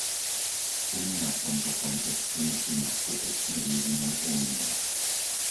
Únia v tomto kontexte musí mať skutočne význam Únie.